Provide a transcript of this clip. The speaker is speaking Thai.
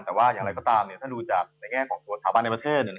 แต่ว่าอย่างไรก็ตามถ้าดูจากในแง่ของตัวสถาบันในประเทศ